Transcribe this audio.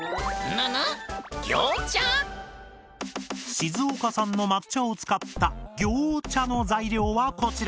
静岡産の抹茶を使った「ギョー茶」の材料はこちら！